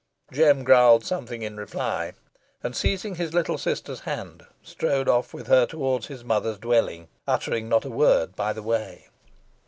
Jem growled something in reply, and, seizing his little sister's hand, strode off with her towards his mother's dwelling, uttering not a word by the way.